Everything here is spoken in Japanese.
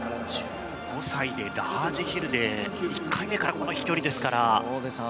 １５歳でラージヒルで１回目からこの飛距離ですから。